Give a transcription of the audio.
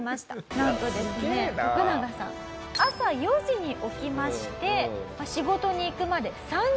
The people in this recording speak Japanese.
なんとですねトクナガさん朝４時に起きまして仕事に行くまで３時間練習します。